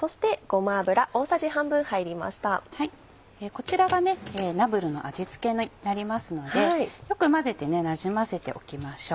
こちらがナムルの味付けになりますのでよく混ぜてなじませておきましょう。